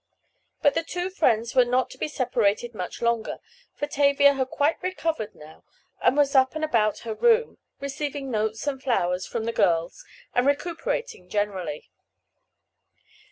But the two friends were not to be separated much longer, for Tavia had quite recovered now, and was up and about her room, receiving notes and flowers from the girls, and recuperating generally.